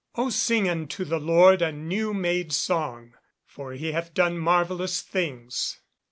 [Verse: "O sing unto the Lord a new made song; for he hath done marvellous things."